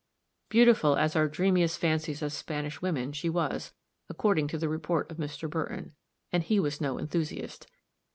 Beautiful as our dreamiest fancies of Spanish women she was, according to the report of Mr. Burton, and he was no enthusiast.